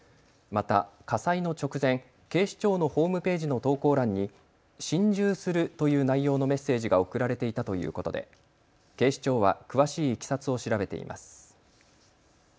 また火災の直前、警視庁のホームページの投稿欄に心中するという内容のメッセージが送られていたということで警視庁は詳しいいきさつを調べています。